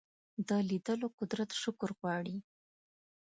د لیدلو قدرت شکر غواړي